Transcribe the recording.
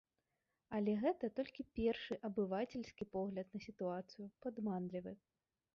Але гэта толькі першы абывацельскі погляд на сітуацыю, падманлівы.